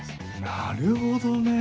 なるほどね！